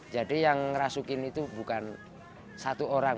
jadi yang rasukin itu bukan satu orang